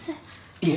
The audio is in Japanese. いえ。